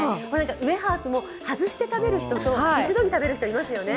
ウエハースも外して食べる人と一度に食べる人がいますよね。